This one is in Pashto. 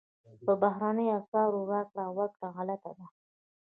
په بهرنیو اسعارو راکړه ورکړه غلطه ده.